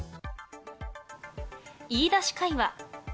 言いだし会話。